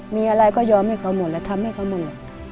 มีอะไรก็ยอมให้เขาหมดและทำให้เขาหมด